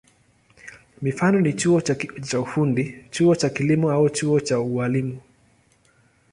Mifano ni chuo cha ufundi, chuo cha kilimo au chuo cha ualimu.